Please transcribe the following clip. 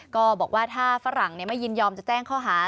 ก็บอกว่าถ้าฝรั่งไม่ยินยอมจะแจ้งข้อหา